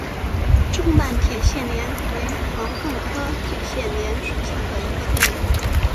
重瓣铁线莲为毛茛科铁线莲属下的一个变种。